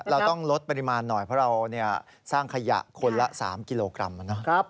เราต้องลดปริมาณหน่อยเพราะเราสร้างขยะคนละ๓กิโลกรัม